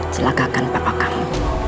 jelagakan papa kamu